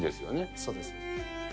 そうです。